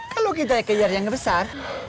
kalo kitacjaq thighar yang besar